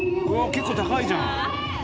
結構高いじゃん」